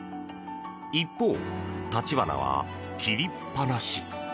一方、橘は切りっぱなし。